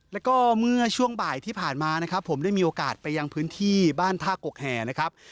แล้วก็เมื่อช่วงบ่ายที่ผ่านมานะครับผมได้มีโอกาสไปยังพื้นที่บ้านท่ากกแห่นะครับ